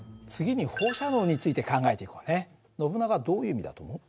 次にノブナガどういう意味だと思う？